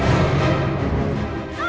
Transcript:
pak pak pak